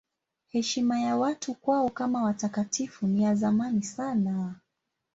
Heshima ya watu kwao kama watakatifu ni ya zamani sana.